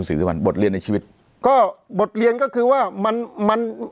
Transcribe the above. หรือมันบทเรียนในชีวิตก็บทเรียนก็คือว่ามันมัน